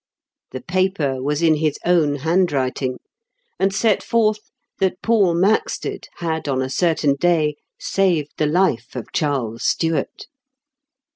The paper was in his own handwriting, and set forth that Paul Maxted had on a certain day saved the life of Charles Stuart.